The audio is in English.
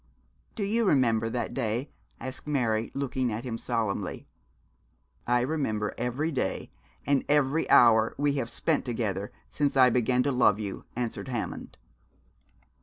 'Do you remember that day?' asked Mary, looking at him, solemnly. 'I remember every day and every hour we have spent together since I began to love you,' answered Hammond.